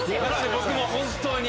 僕、もう本当に。